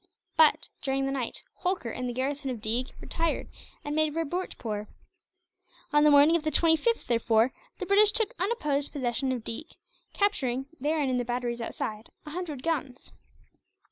But, during the night, Holkar and the garrison of Deeg retired, and made for Bhurtpoor. On the morning of the 25th, therefore, the British took unopposed possession of Deeg; capturing, there and in the batteries outside, a hundred guns.